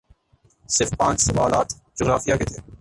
صرف پانچ سوالات جغرافیے کے تھے